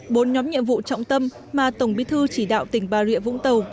bốn nhóm nhiệm vụ trọng tâm mà tổng bí thư chỉ đạo tỉnh bà rịa vũng tàu